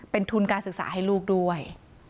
เป็นทุนการศึกษาให้ลูกด้วย